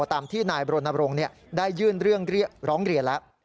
ตามที่นายบรณบรงค์ได้ยื่นเรื่องร้องเรียนแล้ว